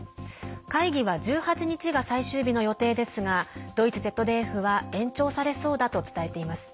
会議は１８日が最終日の予定ですがドイツＺＤＦは延長されそうだと伝えています。